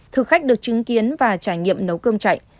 thực khách được chứng kiến và trải nghiệm nấu cơm chạy